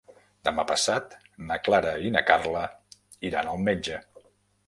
Demà passat na Clara i na Carla iran al metge.